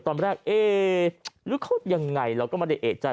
ตอนแรกเอ๊ะหรือเขายังไงเราก็ไม่ได้เอกใจ